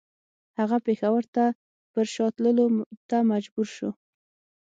هغه پېښور ته پر شا تللو ته مجبور شو.